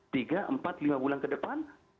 tiga empat lima bulan ke depan